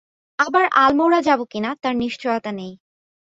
আবার আলমোড়া যাব কিনা, তার নিশ্চয়তা নেই।